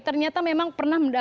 ternyata memang pernah